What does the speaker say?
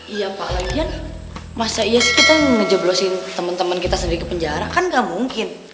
iya pak lagian masa yes kita ngejeblosin teman teman kita sendiri ke penjara kan nggak mungkin